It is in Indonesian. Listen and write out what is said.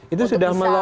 itu sudah melolos